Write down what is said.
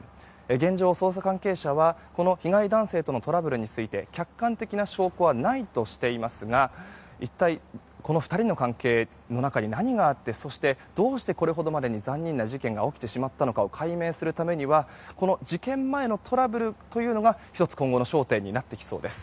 現状、捜査関係者はこの被害男性とのトラブルについて客観的な証拠はないとしていますが一体、この２人の関係の中に何があってそしてどうして、これほどまでに残忍な事件が起きてしまったのかを解明するためには事件前のトラブルというのが１つ、今後の焦点になってきそうです。